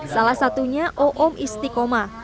salah satunya oom istikomah